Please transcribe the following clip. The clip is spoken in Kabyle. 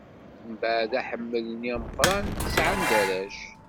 Mbeɛd aḥemmal-nni ameqran, sɛan-d arrac.